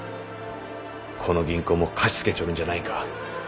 この銀行も貸し付けちょるんじゃないんか。